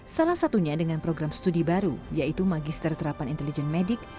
salah satunya dengan program studi baru yaitu magister terapan intelijen medik